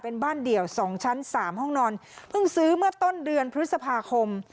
เป็นบ้านเดี่ยว๒ชั้น๓ห้องนอนเพิ่งซื้อเมื่อต้นเดือนพฤษภาคม